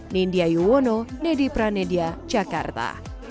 nindya yuwono nedy pranedyah jakarta